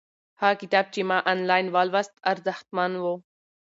هغه کتاب چې ما آنلاین ولوست ارزښتمن و.